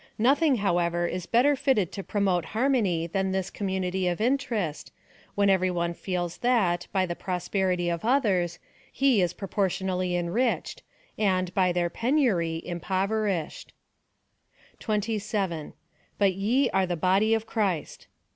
Nothing, however, is better fitted to promote harmony than this community of interest, when every one feels that, by the prosperity of others, he is pro portionally enriched, and, by their penury, impoverished. 27. But ye are the body of Christ.